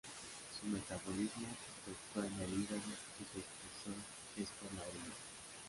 Su metabolismo se efectúa en el hígado y su excreción es por la orina.